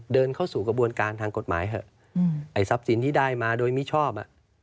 เดินเข้าสู่กระบวนการทางกฎหมายเถอะไอ้ทรัพย์สินที่ได้มาโดยมิชอบ